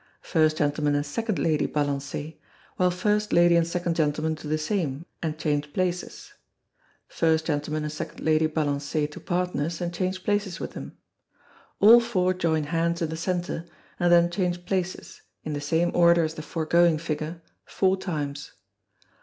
First gentleman and second lady balancez, while first lady and second gentleman do the same, and change places. First gentleman and second lady balancez to partners, and change places with them. All four join hands in the centre, and then change places, in the same order as the foregoing figure, four times.